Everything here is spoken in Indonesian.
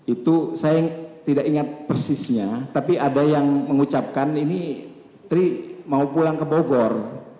itu saya tidak ingat persisnya tapi ada yang mengucapkan ini tri mau pulang ke bogor